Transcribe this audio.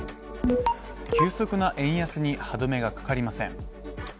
急速な円安に歯止めがかかりません。